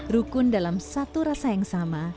rukun dalam satu rasa yang sama